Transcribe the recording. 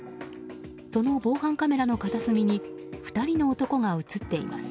その防犯カメラの片隅に２人の男が映っています。